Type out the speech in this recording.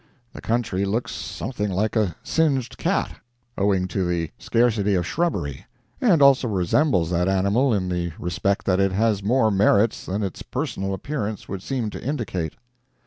The country looks something like a singed cat, owing to the scarcity of shrubbery, and also resembles that animal in the respect that it has more merits than its personal appearance would seem to indicate.